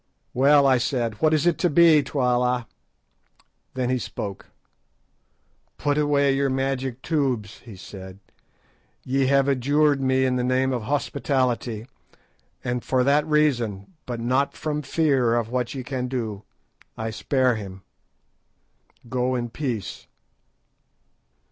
"Well," I said, "what is it to be, Twala?" Then he spoke. "Put away your magic tubes," he said; "ye have adjured me in the name of hospitality, and for that reason, but not from fear of what ye can do, I spare him. Go in peace."